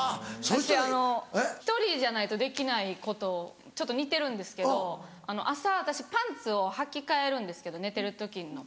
あの１人じゃないとできないことちょっと似てるんですけど朝私パンツをはき替えるんです寝てる時の。